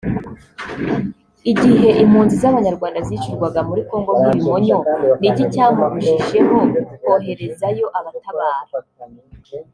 Igihe impunzi z’abanyarwanda zicirwaga muri Congo nk’ibimonyo n’iki cyamubujije ho koherezayo abatabara